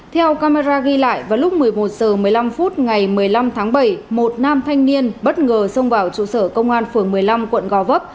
theo camera ghi lại vào lúc một mươi một h một mươi năm phút ngày một mươi năm tháng bảy một nam thanh niên bất ngờ xông vào trụ sở công an phường một mươi năm quận gò vấp